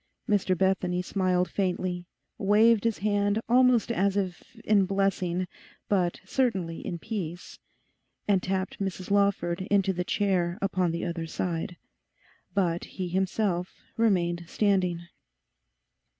Mr Bethany smiled faintly, waved his hand almost as if in blessing, but certainly in peace, and tapped Mrs Lawford into the chair upon the other side. But he himself remained standing.